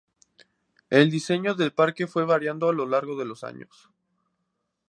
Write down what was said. El diseño del parque fue variando a lo largo de los años.